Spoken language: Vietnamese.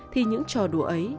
thì những trò đùa ấy